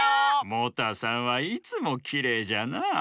モタさんはいつもきれいじゃな。